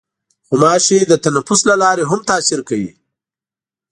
غوماشې د تنفس له لارې هم تاثیر کوي.